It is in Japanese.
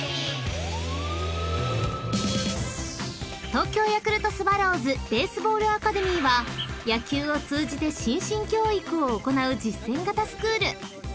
［東京ヤクルトスワローズベースボールアカデミーは野球を通じて心身教育を行う実践型スクール］